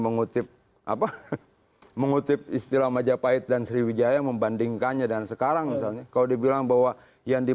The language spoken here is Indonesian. sesuatu yang tersembunyi di dalam gimmick yang terjadi di bali